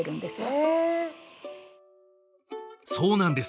へえそうなんです